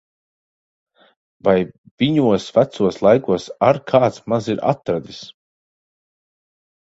Vai viņos vecos laikos ar kāds maz ir atradis!